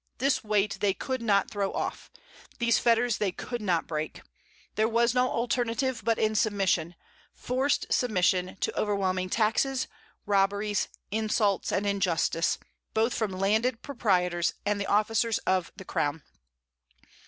This weight they could not throw off, these fetters they could not break. There was no alternative but in submission, forced submission to overwhelming taxes, robberies, insults, and injustice, both from landed proprietors and the officers of the crown.